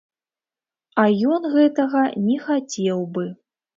А ён гэтага не хацеў бы.